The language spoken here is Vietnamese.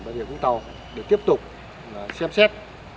bởi vì chúng tôi để tiếp tục xem xét